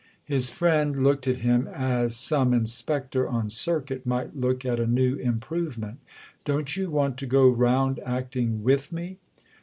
His friend looked at him as some inspector on circuit might look at a new improvement. "Don't you want to go round acting with me?"